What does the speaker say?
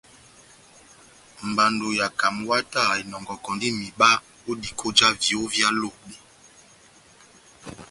Mbando ya Camwater enɔngɔkɔndi mihiba ó diko já viyó vyá Lobe.